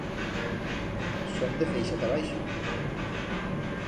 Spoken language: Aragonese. Son de feixa ta abaixo.